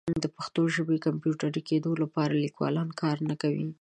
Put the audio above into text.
د پښتو ژبې د کمپیوټري کیدو لپاره لیکوالان کار نه کوي.